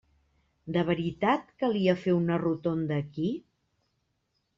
De veritat calia fer una rotonda aquí?